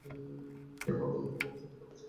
তুই আমার বন্ধু কম শত্রু বেশি।